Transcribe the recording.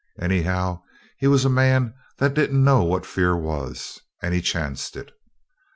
Anyhow, he was a man that didn't know what fear was, and he chanced it.